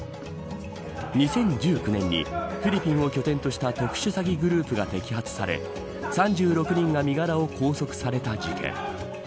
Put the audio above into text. ２０１９年にフィリピンを拠点とした特殊詐欺グループが摘発され３６人が身柄を拘束された事件。